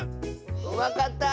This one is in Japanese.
わかった！